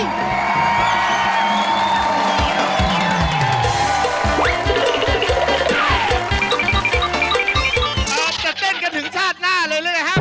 ครับจะเต้นกันถึงชาติหน้าเลยเลยครับ